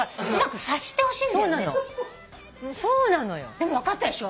でも分かったでしょ？